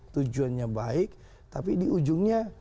tujuannya baik tapi di ujungnya